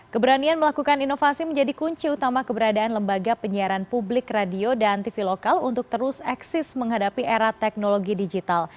keberanian melakukan inovasi menjadi kunci utama keberadaan lembaga penyiaran publik radio dan tv lokal untuk terus eksis menghadapi era teknologi digital